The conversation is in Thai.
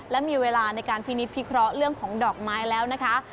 และมีเวลาในการพินิษฐพิเคราะห์เรื่องของดอกไม้แล้วนะคะ